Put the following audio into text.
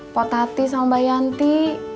pak tati sama mbak yanti